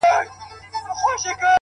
هله به مړ سمه چي ستا له سينکي خاله وځم